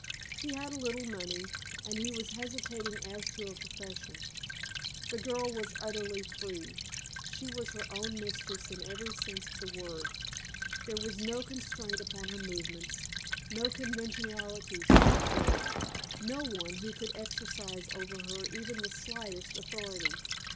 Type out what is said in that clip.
He had a little money, and he was hesitating as to a profession. The girl was utterly free she was her own mistress in every sense of the word. There was no constraint upon her movements, no conventionalities to observe, no one who could exercise over her even the slightest authority.